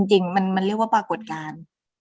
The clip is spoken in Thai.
จริงมันเรียกว่าปรากฏการณ์